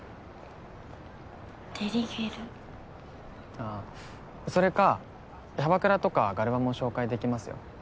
あっそれかキャバクラとかガルバも紹介できますよ。